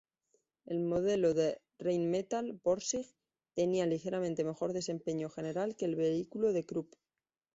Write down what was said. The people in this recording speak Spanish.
El modelo de Rheinmetall-Borsig tenía ligeramente mejor desempeño general que el vehículo de Krupp.